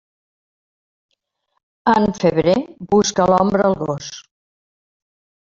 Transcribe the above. En febrer busca l'ombra el gos.